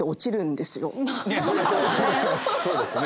そうですね。